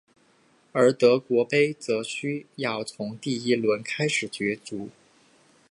而德国杯则需要从第一轮开始角逐。